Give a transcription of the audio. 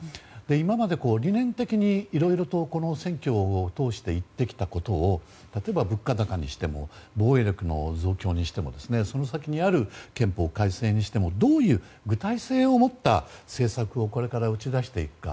今まで理念的にいろいろと選挙を通して言ってきたことを例えば物価高にしても防衛力の増強にしてもその先にある憲法改正にしてもどういう具体性を持った政策をこれから打ち出していくか。